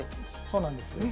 そうなんです。